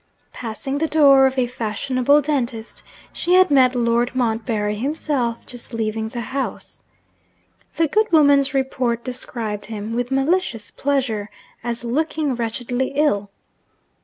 Passing the door of a fashionable dentist, she had met Lord Montbarry himself just leaving the house. The good woman's report described him, with malicious pleasure, as looking wretchedly ill.